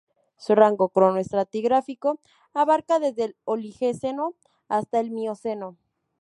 Su rango cronoestratigráfico abarca desde el Oligoceno hasta el Mioceno.